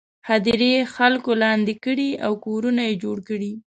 هدیرې خلکو لاندې کړي او کورونه یې جوړ کړي.